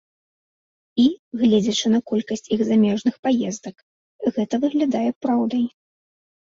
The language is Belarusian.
І, гледзячы на колькасць іх замежных паездак, гэта выглядае праўдай.